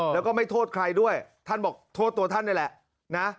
แล้วก็ไม่โทษใครด้วยท่านบอกโทษตัวท่านนี่แหละนะ